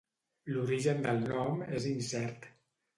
L'origen del nom és incert.